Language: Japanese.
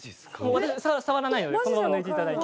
私触らないのでこのまま抜いていただいて。